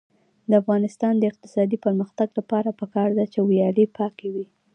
د افغانستان د اقتصادي پرمختګ لپاره پکار ده چې ویالې پاکې وي.